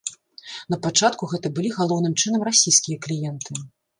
Напачатку гэта былі галоўным чынам расійскія кліенты.